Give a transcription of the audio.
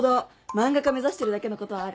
漫画家目指してるだけのことはある。